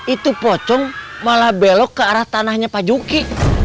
itu pocong malah belok ke arah tanahnya pak juki